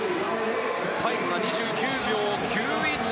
タイムが２９秒９１。